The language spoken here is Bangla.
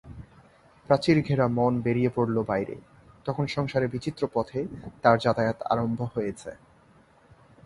প্রাচীর-ঘেরা মন বেরিয়ে পড়ল বাইরে, তখন সংসারের বিচিত্র পথে তার যাতায়াত আরম্ভ হয়েছে।